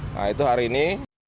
nah itu hari ini